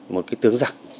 một cái tướng giặc